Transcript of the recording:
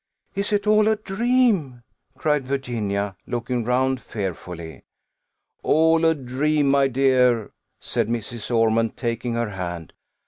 "Is it all a dream?" cried Virginia, looking round fearfully. "All a dream, my dear!" said Mrs. Ormond, taking her hand.